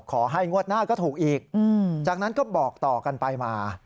ขอให้งวดหน้าก็ถูกอีกจากนั้นก็บอกต่อกันไปมา